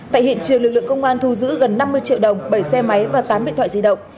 tại hiện trường lực lượng công an thu giữ gần năm mươi triệu đồng bảy xe máy và tám điện thoại di động